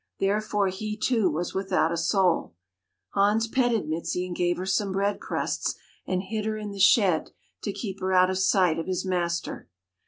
Therefore he, too, was without a soul. Hans petted Mizi and gave her some bread crusts and hid her in the shed to keep her out of sight of his master.